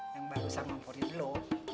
yang baru sama forirlo